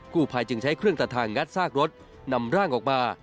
ภายจึงใช้เครื่องตัดทางงัดซากรถนำร่างออกมา